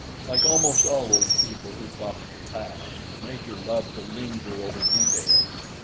Like almost all old people who talk of the past, the Major loved to linger over details.